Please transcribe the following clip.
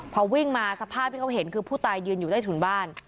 พอวิ่งมาสภาพที่เขาเห็นคือผู้ตายยืนอยู่ใต้ถุนบ้าน